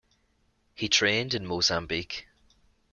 He trained in Mozambique.